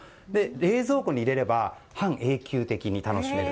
冷蔵庫に入れれば半永久的に楽しめる。